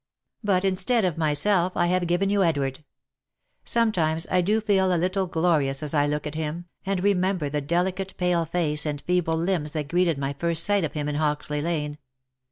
But instead of myself I have given you Ed ward ; sometimes I do feel a little glorious as I look at him,^and re member the delicate pale face and feeble limbs that greeted my first sight of him in Hoxley lane.